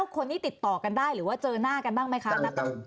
คนนี้ติดต่อกันได้หรือว่าเจอหน้ากันบ้างไหมคะณตุ้ม